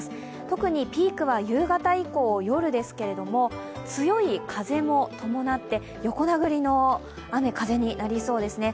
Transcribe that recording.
特にピークは夕方以降、夜ですけれども強い風も伴って横殴りの雨風になりそうですね。